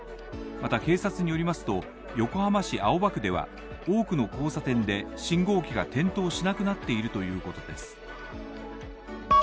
また警察によりますと、横浜市青葉区では、多くの交差点で信号機が点灯しなくなっているということです。